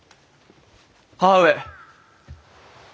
母上。